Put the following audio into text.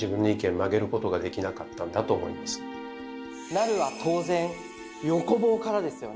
「成」は当然横棒からですよね？